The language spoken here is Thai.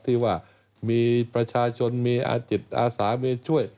ที่ว่ามีประชาชนมีอาจิตอาสามีช่วย